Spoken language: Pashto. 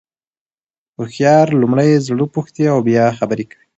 هوښیار لومړی زړه پوښتي او بیا خبري کوي.